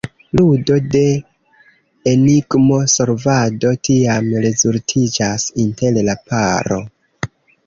Ludo de enigmo-solvado tiam rezultiĝas inter la paro.